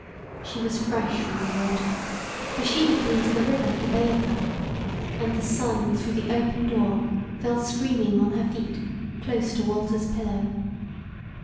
She was fresh from the water, for she had been to the river to bathe her, and the sun through the open door fell streaming on her feet close to Walter's pillow.